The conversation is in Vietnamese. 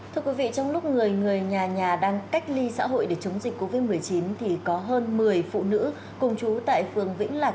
thưa quý vị trong lúc người người nhà nhà đang cách ly xã hội để chống dịch covid một mươi chín thì có hơn một mươi phụ nữ cùng chú tại phường vĩnh lạc